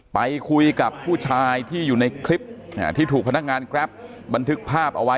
ไปคุยกับผู้ชายที่อยู่ในคลิปที่ถูกพนักงานแกรปบันทึกภาพเอาไว้